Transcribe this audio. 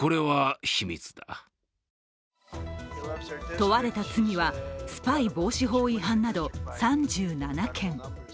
問われた罪はスパイ防止法違反など３７件。